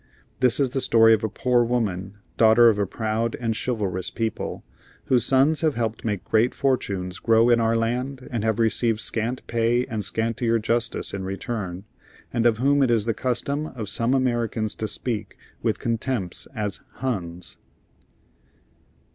This is the story of a poor woman, daughter of a proud and chivalrous people, whose sons have helped make great fortunes grow in our land and have received scant pay and scantier justice in return, and of whom it is the custom of some Americans to speak with contempt as "Huns."